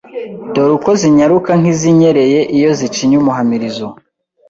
Dore ko zinyaruka nk'izinyereye Iyo zicinye umuhamirizo